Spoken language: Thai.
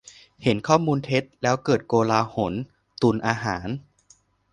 - เห็นข้อมูลเท็จ แล้วเกิดโกลาหล-ตุนอาหาร